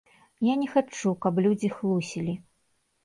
Я не хачу, каб людзі хлусілі.